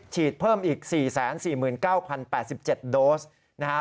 เพิ่มอีก๔๔๙๐๘๗โดสนะฮะ